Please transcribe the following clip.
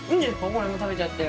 これも食べちゃって。